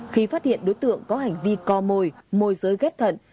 khi phát hiện đối tượng có hành vi co mồi mồi dưới ghép thận